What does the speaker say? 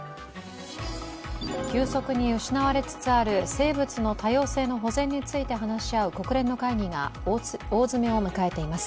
急速に失われつつある生物の多様性の保全について話し合う国連の会議が大詰めを迎えています。